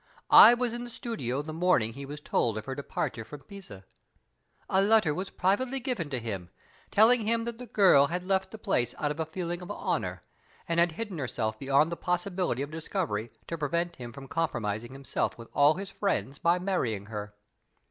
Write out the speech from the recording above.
I was in the studio the morning he was told of her departure from Pisa. A letter was privately given to him, telling him that the girl had left the place out of a feeling of honor, and had hidden herself beyond the possibility of discovery, to prevent him from compromising himself with all his friends by marrying her.